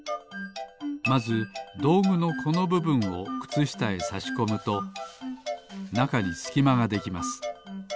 まずどうぐのこのぶぶんをくつしたへさしこむとなかにすきまができます。